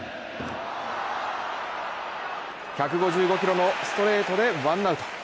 １５５キロのストレートでワンアウト。